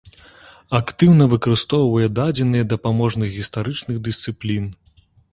Актыўна выкарыстоўвае дадзеныя дапаможных гістарычных дысцыплін.